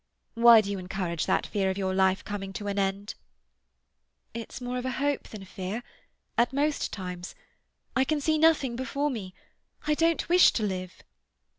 "Why do you encourage that fear of your life coming to an end?" "It's more a hope than a fear—at most times. I can see nothing before me. I don't wish to live."